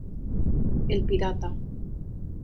El pirata.